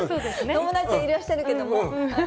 友達いらっしゃるけれども。